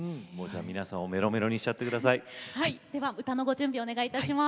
皆さんをメロメロにしちゃってください。